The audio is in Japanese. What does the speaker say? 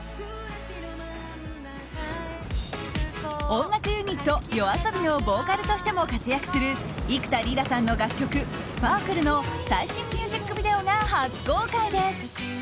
音楽ユニットＹＯＡＳＯＢＩのボーカルとしても活躍する幾田りらさんの楽曲「スパークル」の最新ミュージックビデオが初公開です。